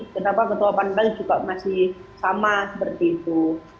kenapa ketua panpel juga masih sama seperti itu